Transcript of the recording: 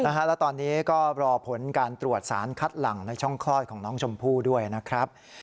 แล้วตอนนี้ก็รอผลการตรวจสารคัดหลังในช่องคลอดของน้องชมพู่ด้วยนะครับ